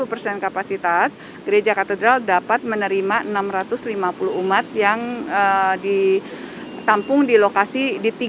dari kapasitas gereja katedral dapat menerima enam ratus lima puluh umat yang ditampung di tiga lokasi